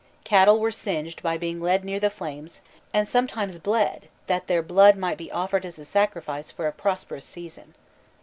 Cattle were singed by being led near the flames, and sometimes bled that their blood might be offered as a sacrifice for a prosperous season.